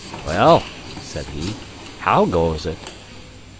"Well," said he, "how goes it?"